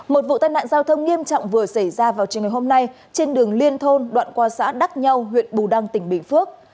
một vụ tai nạn giao thông nghiêm trọng vừa xảy ra vào trường ngày hôm nay trên đường liên thôn đoạn qua xã đắc nhau huyện bù đăng tỉnh bình phước